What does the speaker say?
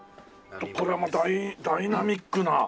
これはダイナミックな。